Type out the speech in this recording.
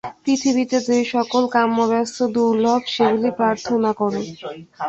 পৃথিবীতে যে-সকল কাম্যবস্তু দুর্লভ, সেগুলি প্রার্থনা কর।